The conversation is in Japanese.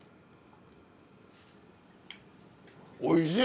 おいしい！